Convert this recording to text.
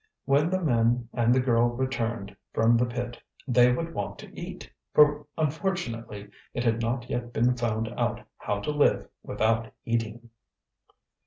When the men and the girl returned from the pit they would want to eat, for unfortunately it had not yet been found out how to live without eating.